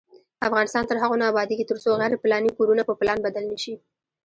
افغانستان تر هغو نه ابادیږي، ترڅو غیر پلاني کورونه په پلان بدل نشي.